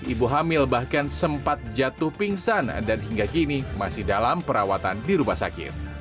ibu hamil bahkan sempat jatuh pingsan dan hingga kini masih dalam perawatan di rumah sakit